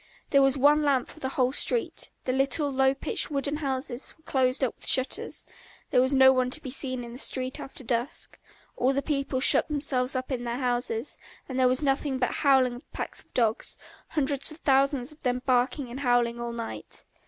There was one lamp for the whole street, the little, low pitched, wooden houses were closed up with shutters, there was no one to be seen in the street after dusk, all the people shut themselves up in their houses, and there was nothing but the howling of packs of dogs, hundreds and thousands of them barking and howling all night.